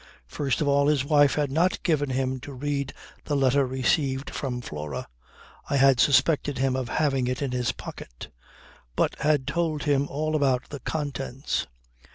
First of all his wife had not given him to read the letter received from Flora (I had suspected him of having it in his pocket), but had told him all about the contents.